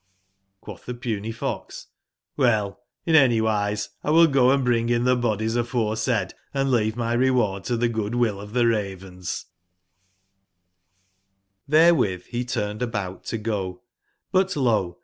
^ Quotb tbe Puny fox: "QIell, in anywiselwill go and bring in tbe bodies aforesaid, and leave my reward to tbe goodwill of tbe Ravens/' IRBRe^XXTR be turned about to go, but lo